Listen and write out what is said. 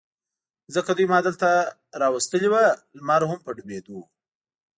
ځکه دوی ما دلته را وستي و، لمر هم په ډوبېدو و.